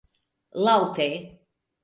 laŭte